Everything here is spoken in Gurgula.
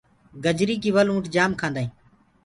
گجرينٚ ڪي ول اُنٺ جآم کآندآ هينٚ۔